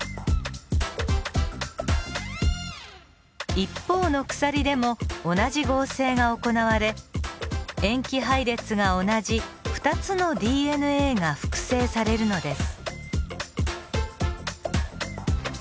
一方の鎖でも同じ合成が行われ塩基配列が同じ２つのＤＮＡが複製されるのです。